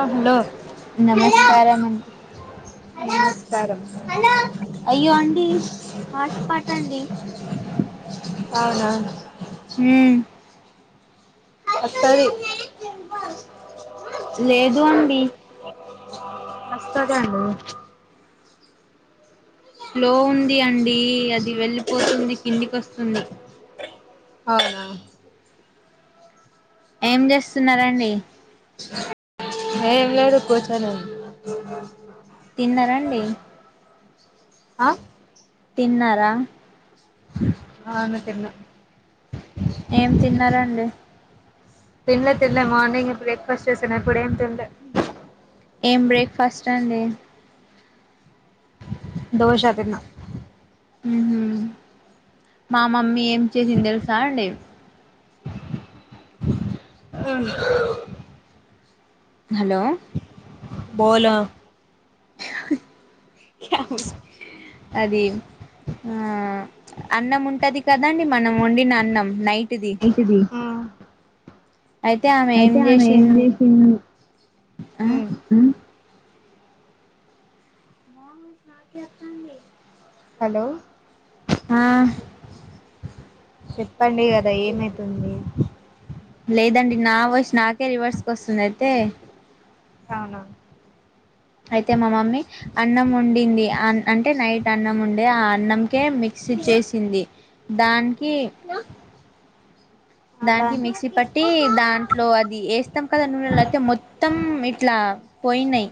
అ hello నమస్కారం అండి నమస్కారం హాట్ స్పాట్ అండి అవునా హ్మ్ వస్తది లేదు అండి వస్తదండి స్లో ఉంది అండీ అది వెళ్లిపోతుంది కిందికస్తుంది అవునా ఏం జేస్తున్నరండి ఏం లేదు కూచొని ఉన్ తిన్నర అండి ఆ తిన్నరా అవును తిన్న ఏం తిన్నరండి తిన్లే తిన్లే మార్నింగే బ్రేక్ఫాస్ట్ చేసానిప్పుడేం ఏం తిన్లే ఏం బ్రేక్ఫాస్ట్ అండి దోష తిన్న ఉమ్ హు మా మమ్మీ ఏం చేసింది తెలుసా అండి అహావు హలో బోలో అది ఆ అన్నంముంటది కదాండి మనం వండిన అన్నం నైట్ ది అయితే ఆమె ఏం జెష్ ఉమ్ ఆ నాకి వత్తాన్ది హలో ఆ చెప్పండి గదా ఏమైతుంది లేదండి నా వాయస్ నాకే రివర్స్ గొస్తుంది అయితే అవునా అయితే మా మమ్మీ అన్నం వండింది అ అంటే నైట్ అన్నం ఉండే ఆ అన్నంకే మిక్స్ చేసింది దానికి అదా దానికి మిక్సీ పట్టి దాంట్లో అది ఏస్తం కదా నూనెలో అయితే మొత్ మొత్తం ఇట్లా పోయినయి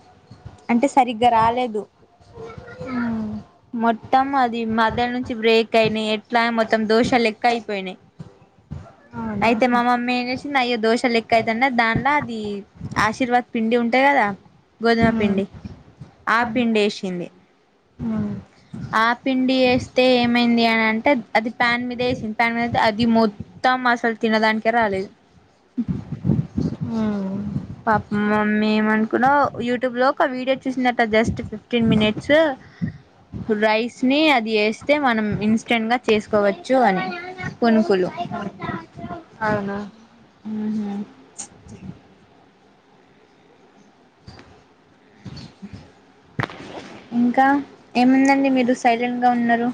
అంటే సరిగ్గ రాలేదు ఉమ్ మొత్తం అది [unintelligible] నుంచి బ్రేక్ అయినాయి ఎట్లా మొత్తం దోషాలు లెక్క అయిపోయినాయి అయితే మా మమ్మీ ఎం [unintelligible] దోశ లెక్క [unintelligible] దాంట్లో అది ఆశీర్వాద్ పిండి ఉంటాయి కదా గోధుమ పిండి ఆ పిండి [unintelligible] ఆ ఆ పిండి వేస్తే ఏమైంది అని అంటే అది ప్యాన్ మీద వేసింది ప్యాన్ మీద అయితే అది మో తం అసలు తినేదానికే రాలేదు ఉ పాపం మ మమ్మీ [unintelligible] అనుకున్నా యూట్యూబ్ లో ఒక ఆ వీడియో చూసిందట జస్ట్ ఫిఫ్టీన్ మినిట్స్ రైస్ ని అది ఎస్తే మనం ఇన్స్టెంట్ గా చేసుకోవచ్చు అని పోనుకులు అవున ఇంక ఏముందండి మీరు సైలెంట్ గా ఉన్నారు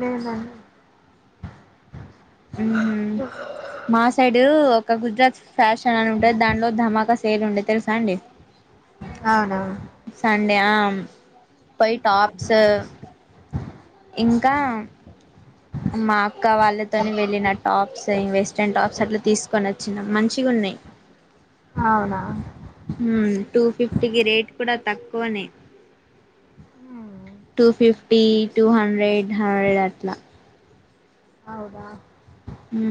లేద [unintelligible] ఆహ మా సైడ్ ఒక గుజరాత్ ఫ్యాషన్ అని ఉంటది దాంట్లో ధమాక సేల్ ఉండేది తెలుసా అండి అవునవును సండే ఆపోయి టాప్స్ ఇంకా మా అక్క వాళ్ళతోనే వెళ్ళిన టాప్స్ వెస్ట్రన్ టాప్స్ అట్ల తీసుకొని వచ్చిన మంచిగా ఉన్నాయి అవున టూ ఫిఫ్టీ కి రేట్ కూడ తక్కువనే two fifty two hundred hundred అట్ల అవున హు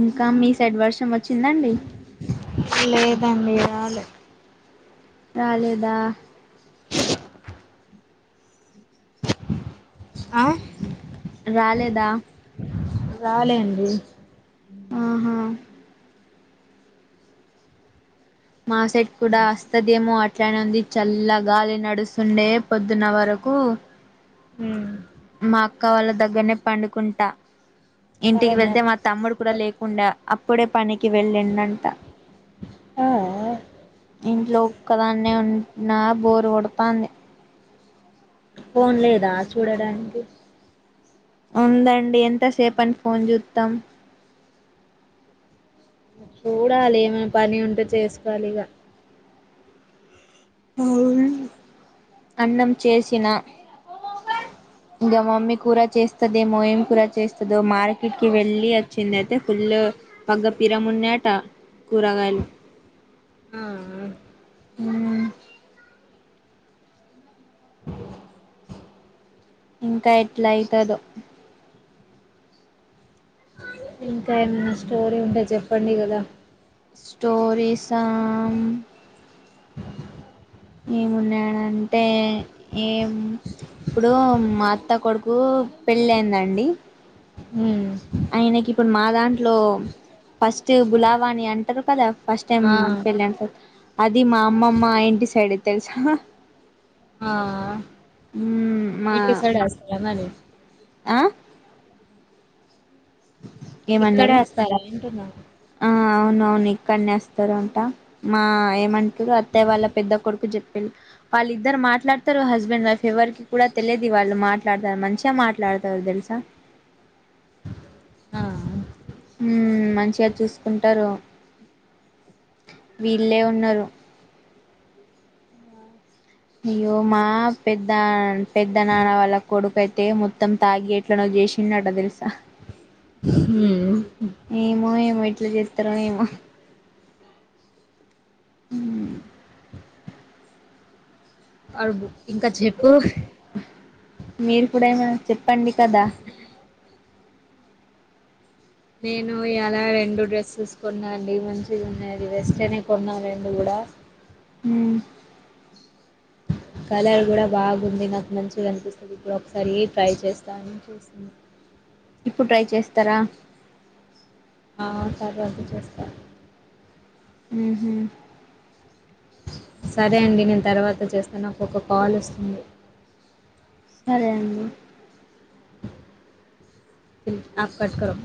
ఇంకా మీ సైడ్ వర్షం వచ్చింద అండి లేదండి రాలే రాలేద ఆ రాలేద రాలే అండి. ఆహా మా సైట్ కూడ వస్తదేమో అట్లానే ఉంది చల్లగాలి నడుస్తుండే పొద్దున్న వరకు మా అక్క వాళ్ళ దగ్గరనే పండుకుంట ఇంటికి అవునా వెళ్తే మా తమ్ముడు కూడ లేకుండా అప్పుడే పనికి వెళ్ళిండు అంట ఆ ఇంట్లో ఒక్కదాన్నే ఉన్న బోరు కొడతంది ఫోన్ లేద చూడడానికి ఉందండి ఎంతసేపు అంని ఫోన్ [unintelligible] చూడాలి ఏమన పని ఉంటే చేసుకోవాలి ఇగ [unintelligible] అన్నం చేసిన ఇంకా మమ్మీ కూర చేస్తుది ఏమో ఏమి కూర చేస్తుందో మార్కెట్కి వెళ్ళి వచ్చింది అయితే ఫుల్ [unintelligible] కూరగాయలు ఆ ఉ ఇంకా ఎట్లా అవుతుదో ఇంకా ఏమనా స్టోరీ ఉంటే చెప్పండి కదా, స్టోరీస్ ఆమ్ ఏమున్నాడంటే ఏం, ఇప్పుడు మా అత్త కొడుకు పెళ్ళి అయిందండి, హుమ్, ఆయనకి ఇప్పుడు మా దాంట్లో ఫస్ట్ బులావా అని అంటారు కదా, ఫస్ట్ టైమ్ ఆ పెళ్లంటే అది మా అమ్మమ్మ ఇంటి సైడే తెలుసా. ఆ మ్మ్ మా ఇటీ సైడస్తు మరి ఆ ఇక్కడే ఏమన్నారు వస్తారా వింటున్నా, ఆ అవును అవును ఇక్కడనే వస్తారు అంట మా ఏమంట, అత్తయ్య వాళ్ళ పెద్ద కొడుకు చెప్పి, వాళ్ళ ఇద్దరు మాట్లాడతారు హస్బెండ్ వైఫ్ ఎవ్వరికి కూడా తెలియదు వాళ్ళు మాట్లాడతారు మంచిగా మాట్లాడతారు తెలుసా, ఆ, హ మంచిగా చూసుకుంటారు వీల్లె ఉన్నారు. అయ్యో మా, పెద్ద పెద్ద నాన్న వాళ్ళ కొడుకు అయితే మొత్తం తాగి ఎట్లలను చేస్తాడట తెలుసా, హుమ్, ఏమో ఏమో ఇట్లా చేస్తార ఏమో, హ ఇంకా చెప్పు, మీరు కూడాడనా, చెప్పండి కదా, నేను ఇలా రెండు డ్రెస్సెస్ కొన్నా అండి మంచిది ఉన్నాది వెస్ట అనే కొన్నాను రెండు కూడా, హుమ్, కలర్ కూడా బాగుంది నాకు మంచిగా అనిపిస్తుంది ఇప్పుడు ఒకసారి ట్రై చేస్తానుని చూస్తుంది. ఇప్పుడు ట్రై చేస్తారా, ఆ తర్వాదు చేస్తారు. ఉహ, సరే అండి నేను తర్వాత చేస్తా నాకు ఒక కాల్ వస్తుంది. సరే అండి, తె ఆఫ కట్కటం.